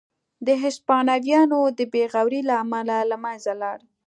د هسپانویانو د بې غورۍ له امله له منځه لاړ.